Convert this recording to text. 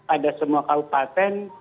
ada semua kaupaten